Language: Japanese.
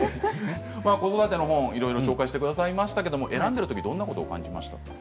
子育ての本をいろいろ紹介していただきましたが選んでいるときどんなこと感じましたか。